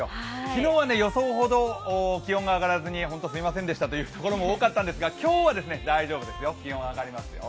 昨日は予想ほど気温が上がらずに本当、すみませんでしたというところも多かったんですが、今日は大丈夫ですよ、気温上がりますよ。